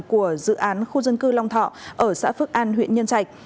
của dự án khu dân cư long thọ ở xã phước an huyện nhân trạch